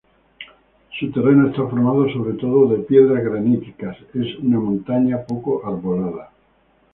Su terreno está formado sobre todo de piedras graníticas, es una montaña poco arbolada.